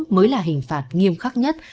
mới là hình phạt nghiêm khắc nhất